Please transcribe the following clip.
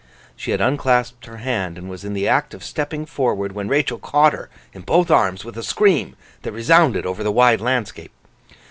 She had unclasped her hand, and was in the act of stepping forward, when Rachael caught her in both arms with a scream that resounded over the wide landscape.